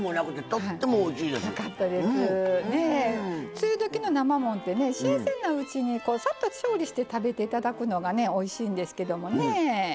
梅雨時の生もんってね新鮮なうちにサッと調理して食べて頂くのがねおいしいんですけどもね。